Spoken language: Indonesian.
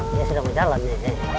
dia sudah menjalannya